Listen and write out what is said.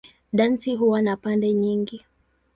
Dansi huwa na pande nyingi.